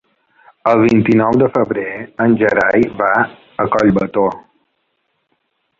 El vint-i-nou de febrer en Gerai va a Collbató.